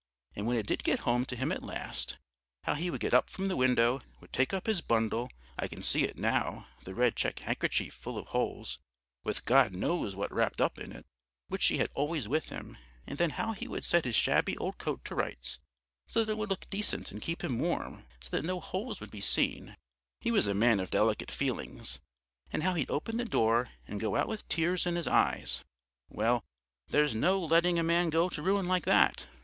And when it did get home to him at last, how he would get up from the window, would take up his bundle I can see it now, the red check handkerchief full of holes, with God knows what wrapped up in it, which he had always with him, and then how he would set his shabby old coat to rights, so that it would look decent and keep him warm, so that no holes would be seen he was a man of delicate feelings! And how he'd open the door and go out with tears in his eyes. Well, there's no letting a man go to ruin like that....